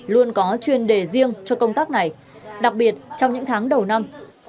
luôn có chuyên đề riêng cho công tác này đặc biệt trong những tháng đầu năm